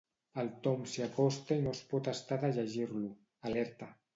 El Tom s'hi acosta i no es pot estar de llegir-lo: «Alerta.